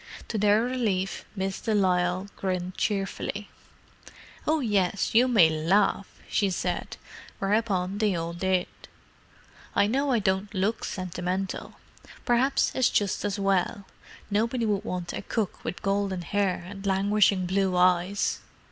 To their relief, Miss de Lisle grinned cheerfully. "Oh, yes, you may laugh!" she said—whereupon they all did. "I know I don't look sentimental. Perhaps it's just as well; nobody would want a cook with golden hair and languishing blue eyes.